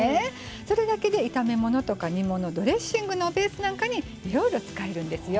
それだけで炒め物とか煮物ドレッシングのベースなんかにいろいろ使えるんですよ。